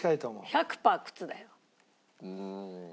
１００パー靴だよ。